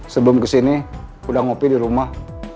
sebelum kesini udah ngopi di rumah